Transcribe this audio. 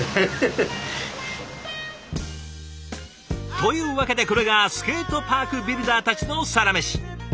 というわけでこれがスケートパークビルダーたちのサラメシ。